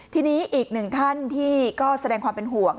ทีนี้อีกหนึ่งท่านที่ก็แสดงความเป็นห่วง